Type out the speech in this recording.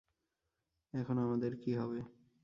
এখন আমাদের কী হবে?